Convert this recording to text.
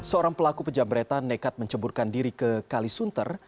seorang pelaku pejam beretan nekat menceburkan diri ke kalisuntar